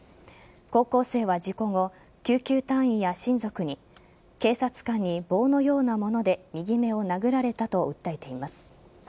高校生は事故後救急隊員や親族に警察官に棒のようなもので右目を殴られたと訴えています。